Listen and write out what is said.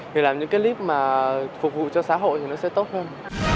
thì là những cái clip mà phục vụ cho xã hội thì nó sẽ tốt hơn